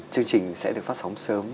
chương trình sẽ được phát sóng sớm